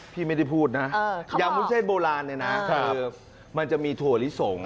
พี่ไม่ได้พูดนะอย่างวุ้นเส้นโบราณเนี่ยนะคือมันจะมีถั่วลิสง